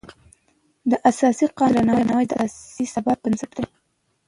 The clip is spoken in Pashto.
د اساسي قانون درناوی د سیاسي ثبات بنسټ دی